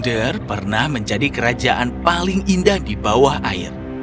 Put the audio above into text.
kerajaan tersebut menjadi kerajaan paling indah di bawah air